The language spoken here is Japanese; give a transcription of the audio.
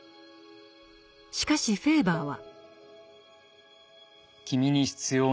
しかしフェーバーは。